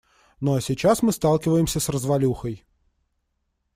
Ну а сейчас мы сталкиваемся с развалюхой.